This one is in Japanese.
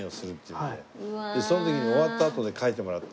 でその時に終わったあとで書いてもらって。